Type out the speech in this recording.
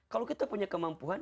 kalau kita punya kemampuan